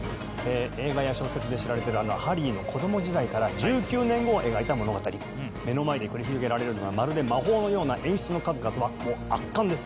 映画や小説で知られてるあのハリーの子供時代から１９年後を描いた物語目の前で繰り広げられるのはまるで魔法のような演出の数々はもう圧巻です